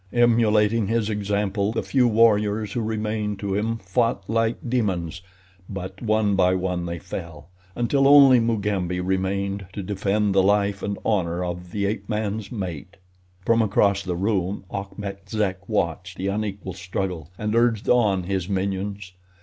Emulating his example the few warriors who remained to him fought like demons; but one by one they fell, until only Mugambi remained to defend the life and honor of the ape man's mate. From across the room Achmet Zek watched the unequal struggle and urged on his minions.